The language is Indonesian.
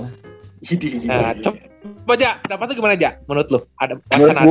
nah coba dapat tuh gimana dapat menurut lu